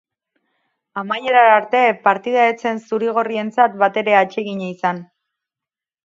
Amaierara arte, partida ez zen zuri-gorrientzat batere atsegina izan.